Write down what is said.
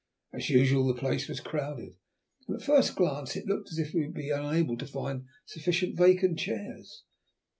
As usual the place was crowded, and at first glance it looked as if we should be unable to find sufficient vacant chairs.